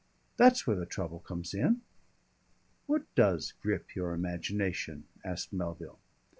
That's where the trouble comes in." "What does grip your imagination?" asked Melville.